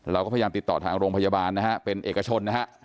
เราก็พยายามติดต่อทางโรงพยาบาลนะฮะเป็นเอกชนนะฮะ